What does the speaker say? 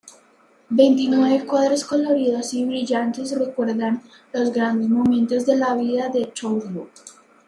Veintinueve cuadros coloridos y brillantes recuerdan los grandes momentos de la vida de Toulouse.